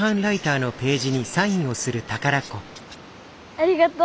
ありがとう。